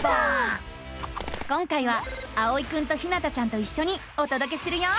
今回はあおいくんとひなたちゃんといっしょにおとどけするよ。